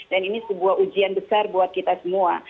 dan ini sebuah ujian besar buat kita semua